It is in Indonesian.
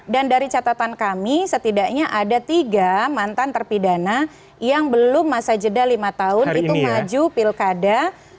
dan dari catatan kami setidaknya ada tiga mantan terpidana yang belum masa jeda lima tahun itu maju pilkada